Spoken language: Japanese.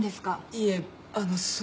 いえあのそれは。